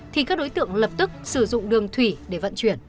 thì các đối tượng lập tức sử dụng đường thủy để vận chuyển